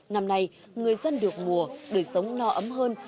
năm nay người dân được mùa đời sống no ấm hơn